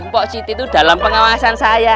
pak siti tuh dalam pengawasan saya